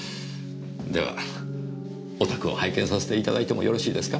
ではお宅を拝見させていただいてもよろしいですか？